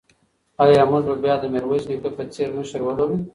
ایا موږ به بیا د میرویس نیکه په څېر مشر ولرو؟